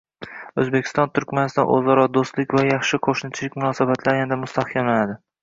O‘zbekiston – Turkmaniston: o‘zaro do‘stlik va yaxshi qo‘shnichilik munosabatlari yanada mustahkamlanadi